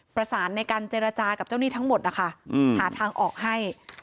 ในการเจรจากับเจ้าหนี้ทั้งหมดนะคะหาทางออกให้